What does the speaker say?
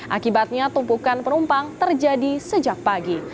akibatnya tumpukan penumpang terjadi sejak pagi